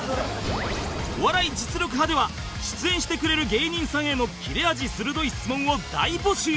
『お笑い実力刃』では出演してくれる芸人さんへの切れ味鋭い質問を大募集